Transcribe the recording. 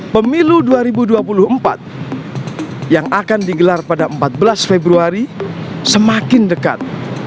pemilu dua ribu dua puluh empat yang akan digelar pada empat belas februari semakin dekat